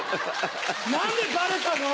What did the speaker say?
何でバレたの？